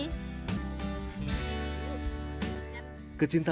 kecintaan yayu tersebar